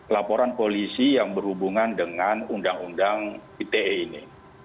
laporan polisi yang berhubungan dengan undang undang ite ini